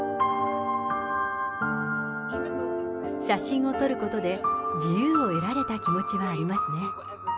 写真を撮ることで、自由を得られた気持ちはありますね。